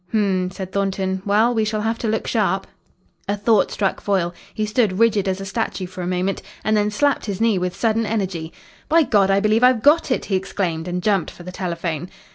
"H'm," said Thornton. "Well, we shall have to look sharp." A thought struck Foyle. He stood rigid as a statue for a moment, and then slapped his knee with sudden energy, "By God! I believe I've got it!" he exclaimed, and jumped for the telephone.